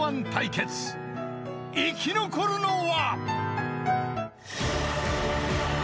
［生き残るのは］